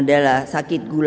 adalah sakit gula